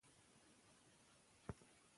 که ښوونکی په مادي ژبه پوه سي تدریس اسانه دی.